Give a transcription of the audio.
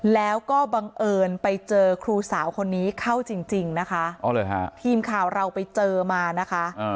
แล้วก็บังเอิญไปเจอครูสาวคนนี้เข้าจริงนะคะทีมข่าวเราไปเจอมานะคะ